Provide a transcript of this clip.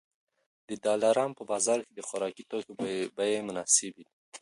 د دلارام په بازار کي د خوراکي توکو بیې مناسبې دي